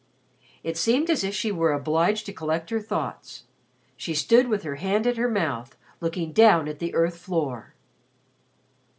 It seemed as if she were obliged to collect her thoughts. She stood with her hand at her mouth, looking down at the earth floor.